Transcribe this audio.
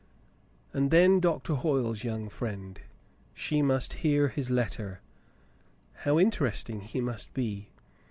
" And then Doctor Hoyle's young friend — she must hear his letter. How interesting he must be!